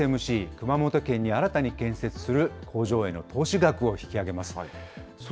熊本県に新たに建設する工場への投資額を引き上げます。